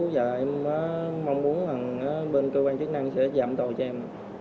và em mong muốn bằng bên cơ quan chức năng sẽ giảm tội cho em